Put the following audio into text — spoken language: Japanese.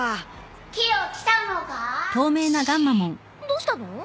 どうしたの？